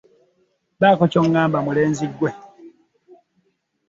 Bakko kyongamaba mulenzi gwe.